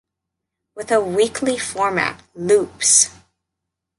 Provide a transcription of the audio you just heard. With a weekly format, “Loops”!